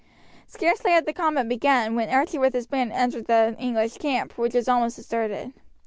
Scarcely had the combat begun when Archie with his band entered the English camp, which was almost deserted.